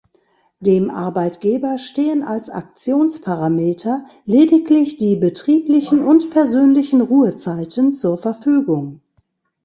Dem Arbeitgeber stehen als Aktionsparameter lediglich die betrieblichen und persönlichen Ruhezeiten zur Verfügung.